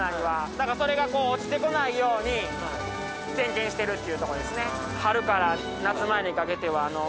だからそれが落ちてこないように点検してるっていうところですね。